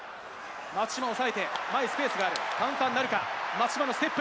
松島おさえて、前へスペースがある、カウンターになるか、松島のステップ。